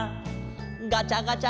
「ガチャガチャ